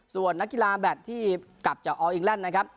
ส่วนนักกีฬาแบตที่กลับจากอออิงแลนด์นะครับ